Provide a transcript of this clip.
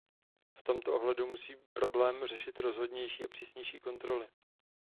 V tomto ohledu musí problém řešit rozhodnější a přísnější kontroly.